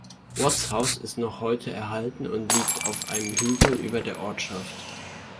Watts Haus ist noch heute erhalten und liegt auf einem Hügel über der Ortschaft.